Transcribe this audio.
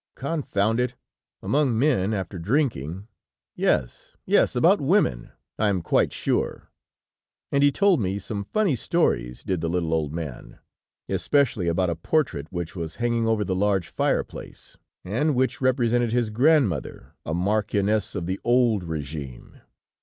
Confound it! Among men, after drinking! Yes, yes, about women, I am quite sure, and he told some funny stories, did the little old man! Especially about a portrait which was hanging over the large fireplace, and which represented his grandmother, a marchioness of the old régime.